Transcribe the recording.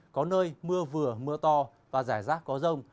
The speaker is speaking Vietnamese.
có nơi mưa vừa mưa to và rải rác có rông